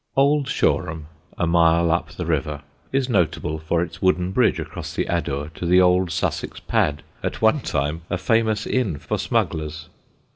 Old Shoreham, a mile up the river, is notable for its wooden bridge across the Adur to the Old Sussex Pad, at one time a famous inn for smugglers.